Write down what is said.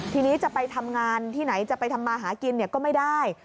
ทีนี้จะไปทำงานที่ไหนจะไปทำมาหากินก็ไม่ได้